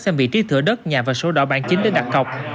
xem vị trí thửa đất nhà và số đỏ bản chính để đặt cọc